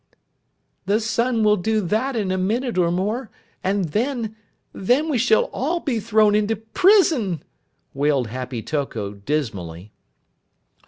"The sun will do that in a minute or more, and then, then we shall all be thrown into prison!" wailed Happy Toko dismally.